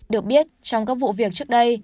được biết trong các vụ việc trước đây